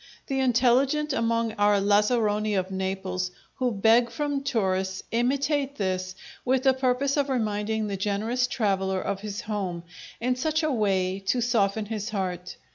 The intelligent among our lazzaroni of Naples, who beg from tourists, imitate this, with the purpose of reminding the generous traveller of his home, in such a way to soften his heart.